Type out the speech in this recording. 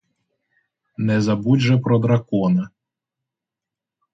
Не забудь же про дракона.